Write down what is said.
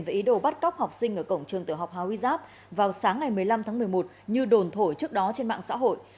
với ý đồ bắt cóc học sinh ở cổng trường tiểu học hà huy giáp vào sáng ngày một mươi năm tháng một mươi một như đồn thổi trước đó trên mạng xã hội